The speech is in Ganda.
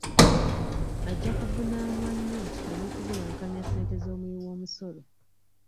Ajja kuvunaanwa nnyo ogw'okubulankanya ssente z'omuwi w'omusolo .